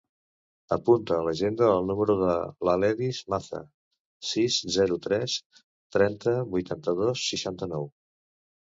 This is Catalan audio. Apunta a l'agenda el número de l'Aledis Maza: sis, zero, tres, trenta, vuitanta-dos, seixanta-nou.